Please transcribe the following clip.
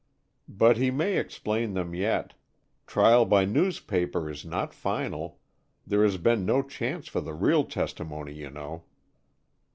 "But he may explain them yet. Trial by newspaper is not final. There has been no chance for the real testimony, you know."